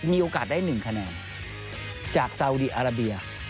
มีโอกาสได้๑คะแนนจากซาวดีอาราเบีย